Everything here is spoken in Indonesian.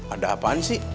ada apaan sih